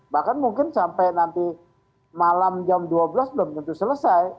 bahkan mungkin sampai nanti malam jam dua belas belum tentu selesai